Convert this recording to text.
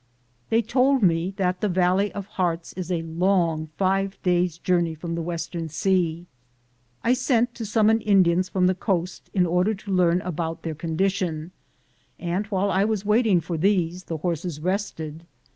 They told me that the Valley of Hearts is a long five days' journey from the western sea. I sent to< summon Indians from the coast in order to learn about their condition, and while I was. waiting for these the horses rested.